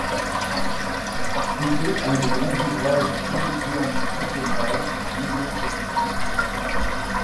C'était un des grands ouvrages du Premier Plan quinquennal, en Union soviétique.